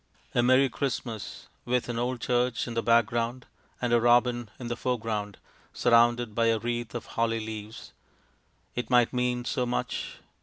"A merry Christmas," with an old church in the background and a robin in the foreground, surrounded by a wreath of holly leaves. It might mean so much.